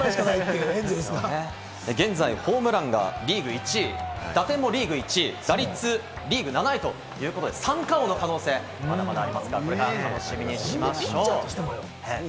現在、ホームランが１位、打点も１位、打率がリーグ７位ということで、三冠王の可能性がありますので楽しみにしましょう。